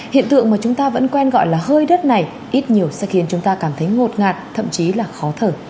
hiện tượng mà chúng ta vẫn quen gọi là hơi đất này ít nhiều sẽ khiến chúng ta cảm thấy ngột ngạt thậm chí là khó thở